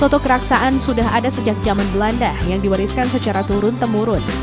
soto keraksaan sudah ada sejak zaman belanda yang diwariskan secara turun temurun